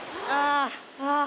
ああ。